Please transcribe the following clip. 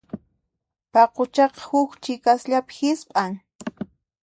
Paquchaqa huk chiqasllapi hisp'an.